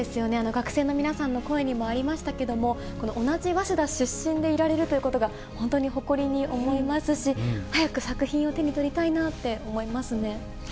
学生の皆さんの声にもありましたけれども、同じ早稲田出身でいられるということが、本当に誇りに思いますし、早く作品を手に取りたいなって思いますね。